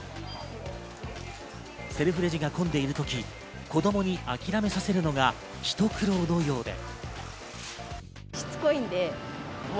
セルフレジが混んでいるとき、子供に諦めさせるのがひと苦労のようで。